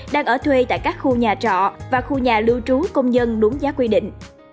đang ở thuê tại các khu nhà trọ và khu nhà lưu trú công nhân đúng giá quy định